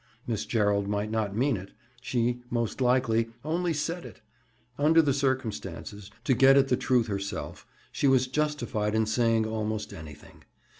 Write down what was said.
Miss Gerald might not mean it; she, most likely, only said it. Under the circumstances, to get at the truth herself, she was justified in saying almost anything.